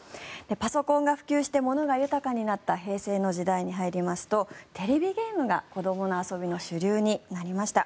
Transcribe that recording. パソコンが普及してものが豊かになった平成の時代に入りますとテレビゲームが子どもの遊びの主流になりました。